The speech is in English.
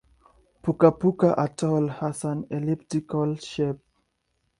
Puka-Puka Atoll has an elliptical shape.